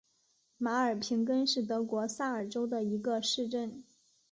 马尔平根是德国萨尔州的一个市镇。